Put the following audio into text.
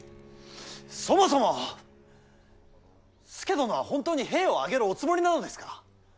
そもそも佐殿は本当に兵を挙げるおつもりなのですか。